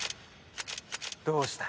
どうした？